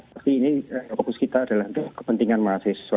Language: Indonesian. tapi ini fokus kita adalah untuk kepentingan mahasiswa